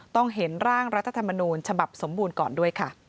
เห็นร่างรัฐธรรมนูญฉบับสมบูรณ์ก่อนด้วยค่ะ